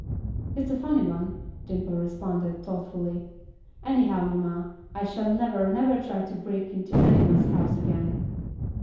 "It's a funny one," Dimple responded, thoughtfully. "Anyhow, mamma, I shall never, never try to break into any one's house again."